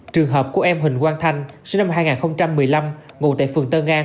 trường hợp của em huỳnh quang thanh sinh năm hai nghìn một mươi năm ngủ tại phường tân an